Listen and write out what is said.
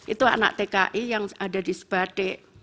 itu anak tki yang ada di sebadek